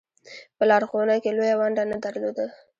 په لارښوونه کې یې لویه ونډه نه درلوده.